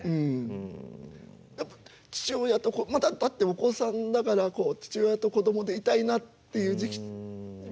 やっぱ父親と子だってお子さんだからこう父親と子供でいたいなっていう時期。